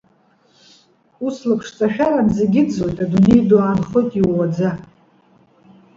Ус лаԥшҵашәаран зегь ыӡуеит, адунеи ду аанхоит иууаӡа.